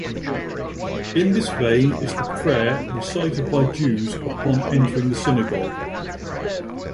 In this vein is the prayer recited by Jews upon entering the synagogue.